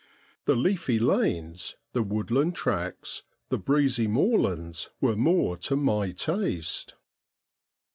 The leafy lanes, the woodland tracks, the breezy moorlands were more to my taste.